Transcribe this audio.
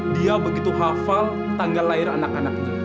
dia begitu hafal tanggal lahir anak anaknya